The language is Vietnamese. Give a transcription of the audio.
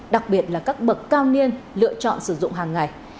đặc biệt là các bậc cao niên lựa chọn sử dụng hàng ngày